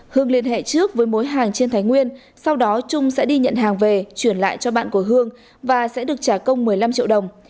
hương liên hệ trước với mối hàng trên thái nguyên sau đó trung sẽ đi nhận hàng về chuyển lại cho bạn của hương và sẽ được trả công một mươi năm triệu đồng